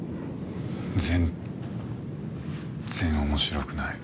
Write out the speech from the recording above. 全っ然面白くない。